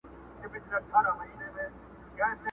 د سودا اخیستل هر چاته پلمه وه؛